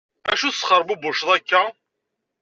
Acu tesxerbubuceḍ akka?